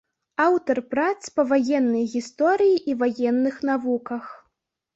Аўтар прац па ваеннай гісторыі і ваенных навуках.